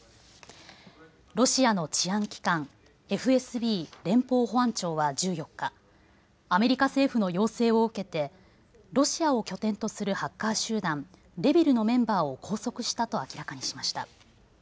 ロシアの治安機関、ＦＳＢ・連邦保安庁は１４日、アメリカ政府の要請を受けてロシアを拠点とするハッカー集団、ＲＥｖｉｌのメンバーを拘束したと明らかにしました。